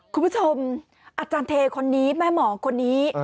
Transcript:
คุณผู้ชมอาจารย์เทคนนี้แม่หมอคนนี้